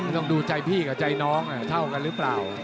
ต้องดูใจพี่กับใจน้องเท่ากันหรือเปล่า